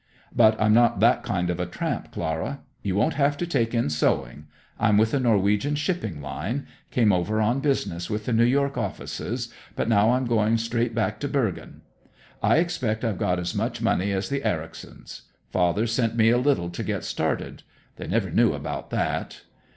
"But I'm not that kind of a tramp, Clara. You won't have to take in sewing. I'm with a Norwegian shipping line; came over on business with the New York offices, but now I'm going straight back to Bergen. I expect I've got as much money as the Ericsons. Father sent me a little to get started. They never knew about that.